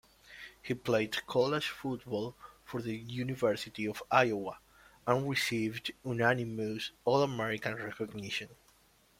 He played college football for the University of Iowa, and received unanimous All-American recognition.